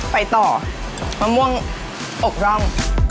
ไปต่อมะม่วงอกร่อง